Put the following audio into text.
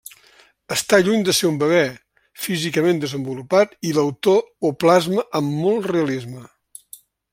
Està lluny de ser un bebè, físicament desenvolupat i l'autor ho plasma amb molt realisme.